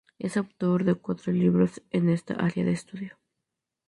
Es autor de cuatro libros en esta área de estudio.